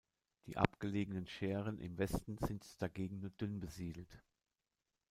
Die abgelegenen Schären im Westen sind dagegen nur dünn besiedelt.